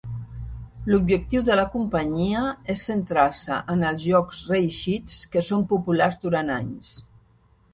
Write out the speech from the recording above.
L'objectiu de la companyia és centrar-se en els jocs reeixits que són populars durant anys.